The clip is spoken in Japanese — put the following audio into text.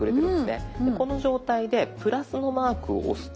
この状態で＋のマークを押すと。